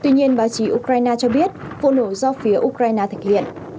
tuy nhiên báo chí ukraine cho biết vụ nổ do phía ukraine thực hiện